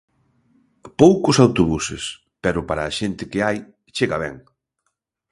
Poucos autobuses pero para a xente que hai chega ben.